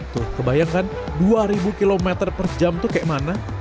tuh kebayangkan dua ribu km per jam tuh kayak mana